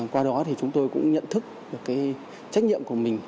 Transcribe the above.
qua đó thì chúng tôi cũng nhận thức được cái trách nhiệm của mình